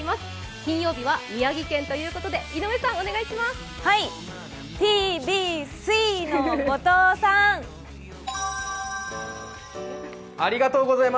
金曜日は宮城県ということで、井上さん、お願いします。